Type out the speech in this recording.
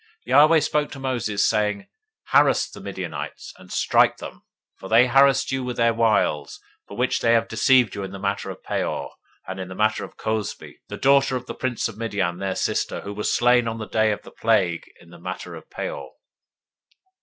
025:016 Yahweh spoke to Moses, saying, 025:017 Vex the Midianites, and strike them; 025:018 for they vex you with their wiles, with which they have deceived you in the matter of Peor, and in the matter of Cozbi, the daughter of the prince of Midian, their sister, who was slain on the day of the plague in the matter of Peor.